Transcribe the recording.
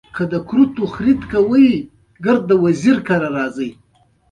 ازادي راډیو د عدالت په اړه تفصیلي راپور چمتو کړی.